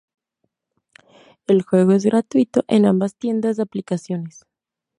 El juego es gratuito en ambas tiendas de aplicaciones.